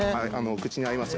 口に合いますよね。